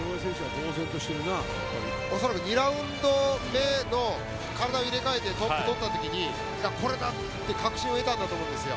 恐らく２ラウンド目の体を入れ替えてトップとった時にこれだ！って確信を得たんだと思います。